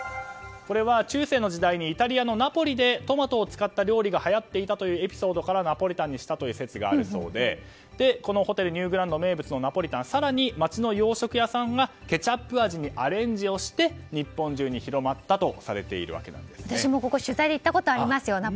中世の時代にイタリアのナポリでトマトを使った料理が流行っていたというエピソードからナポリタンにしたという説があるそうでこのホテルニューグランドの名物、ナポリタンを更に町の洋食屋さんがケチャップ味にアレンジをして日本中に私もここ取材で行ったことありますよ。